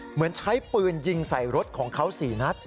เหมือนใช้ปืนยิงใส่รถของเขา๔นัด